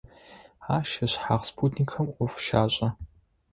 Ащ ышъхьагъ спутникхэм Ӏоф щашӀэ.